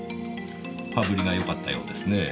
羽振りがよかったようですねぇ。